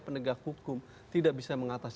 penegak hukum tidak bisa mengatasi